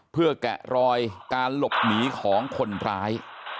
เพื่อแกะรอยการหลบหนีของคนร้าย